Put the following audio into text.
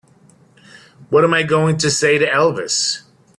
What am I going to say to Elvis?